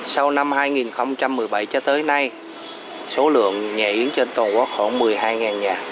sau năm hai nghìn một mươi bảy cho tới nay số lượng nhà yến trên toàn quốc khoảng một mươi hai nhà